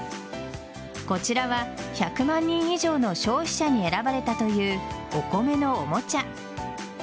こちらは１００万人以上の消費者に選ばれたというお米のおもちゃ。